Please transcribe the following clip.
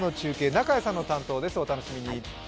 中屋さんの担当です、お楽しみに。